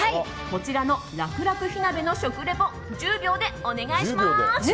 こちらの楽々火鍋の食リポ１０秒でお願いします。